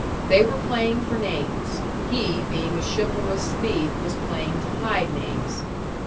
They were playing for names. He, being a chivalrous thief, was playing to hide names.